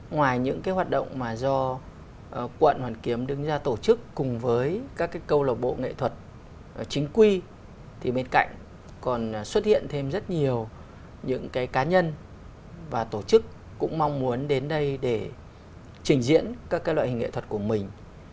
ngoài những hoạt động mà do quận hoàn kiếm đứng ra tổ chức cùng với các câu lạc bộ nghệ thuật chính quy thì bên cạnh còn xuất hiện thêm rất nhiều những cá nhân và tổ chức cũng mong muốn đến đây để trình diễn các loại hình nghệ thuật của mình